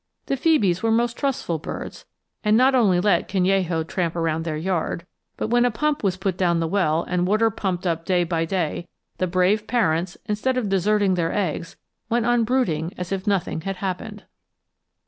The phœbes were most trustful birds, and not only let Canello tramp around their yard, but when a pump was put down the well, and water pumped up day by day, the brave parents, instead of deserting their eggs, went on brooding as if nothing had happened.